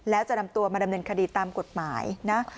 แล้วจะนำตัวมาดำเนินคดีตามกฎหมายนะ